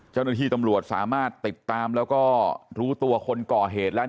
เจ้าหน้าที่ตำรวจสามารถติดตามแล้วก็รู้ตัวคนก่อเหตุแล้ว